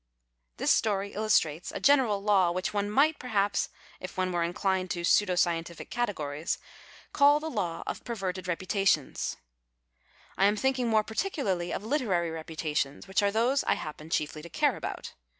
This story illustrates a general law which one might, perhaps, if one were inclined to pseudo scientific categories, call the law of perverted reputa tions. I am thinking more particidarly of literary reputations, which are those I happen chiefly to care about.